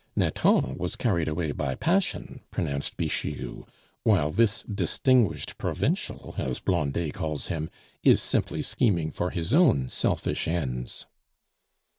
"Nathan was carried away by passion," pronounced Bixiou, "while this 'distinguished provincial,' as Blondet calls him, is simply scheming for his own selfish ends."